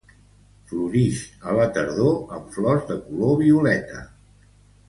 Florix a la tardor amb flors de color violeta.